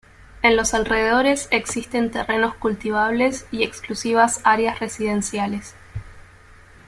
En los alrededores existen terrenos cultivables y exclusivas áreas residenciales.